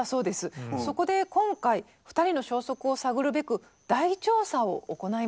そこで今回２人の消息を探るべく大調査を行いました。